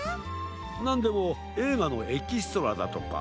なんでもえいがのエキストラだとか。